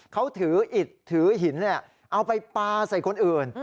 เขาถืออิดถือหินเอาไปปลาใส่คนอื่น